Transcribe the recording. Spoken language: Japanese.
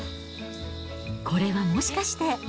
これはもしかして。